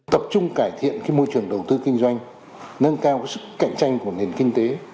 tập trung cải thiện môi trường đầu tư kinh doanh nâng cao sức cạnh tranh của nền kinh tế